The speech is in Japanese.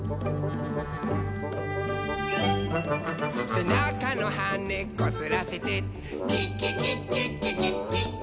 「せなかのはねこすらせて」「キッキキッキッキキッキッキ」